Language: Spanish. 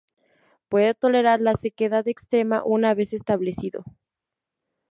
Puede tolerar la sequedad extrema una vez establecido.